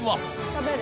食べる？